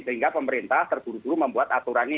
sehingga pemerintah terburu buru membuat aturan ini